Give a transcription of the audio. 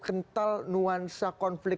kental nuansa konflik